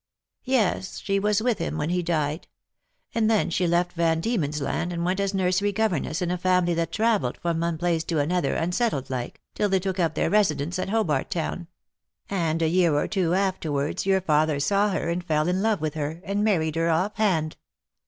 " Tes, she was with him when he died; and then she left "Van Diemen's Land and went as nursery governess in a family that travelled from one place to another, unsettled like, till they took up their residence at Hobart Town; and a year or two afterwards your father saw her, and fell in love with her, and married her off hand.